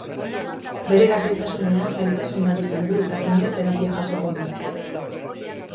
Bere gaixotasunean zailtasun bat izan du eta kimioterapia jasoko du.